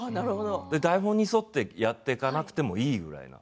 台本に沿ってやっていかなくてもいいぐらいの。